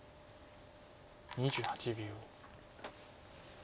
２８秒。